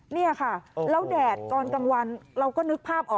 นี่ค่ะแล้วแดดตอนกลางวันเราก็นึกภาพออก